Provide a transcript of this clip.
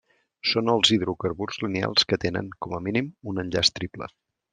Són els hidrocarburs lineals que tenen, com a mínim un enllaç triple.